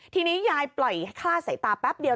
ทีนี้ยายปล่อยคลาดสายตาแป๊บเดียว